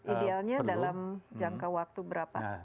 idealnya dalam jangka waktu berapa